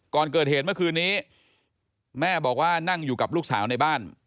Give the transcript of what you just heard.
ก่อนเกิดเหตุเมื่อคืนนี้แม่บอกว่านั่งอยู่กับลูกสาวในบ้าน